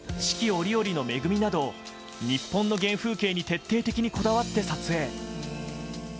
折々の恵みなど日本の原風景に徹底的にこだわって撮影。